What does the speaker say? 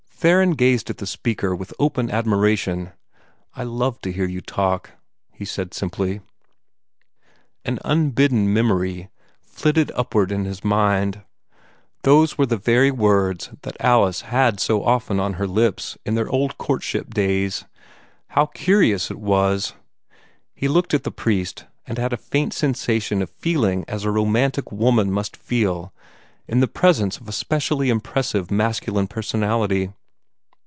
Theron gazed at the speaker with open admiration. "I love to hear you talk," he said simply. An unbidden memory flitted upward in his mind. Those were the very words that Alice had so often on her lips in their old courtship days. How curious it was! He looked at the priest, and had a quaint sensation of feeling as a romantic woman must feel in the presence of a specially impressive masculine personality.